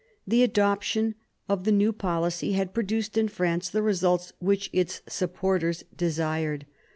The adoption of the new policy had produced in France the results which its supporters desired.